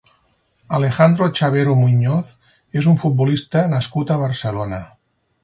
Alejandro Chavero Muñoz és un futbolista nascut a Barcelona.